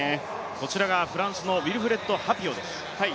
こちらがフランスのウィルフレッド・ハピオです。